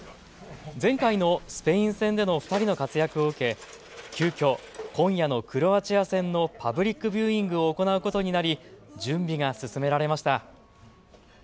前回のスペイン戦での２人の活躍を受け急きょ、今夜のクロアチア戦のパブリックビューイングを行うことになり準備が進められました。